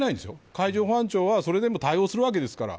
海上保安庁はそれでも対応するわけですから。